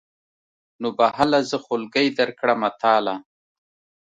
نو به هله زه خولګۍ درکړمه تاله.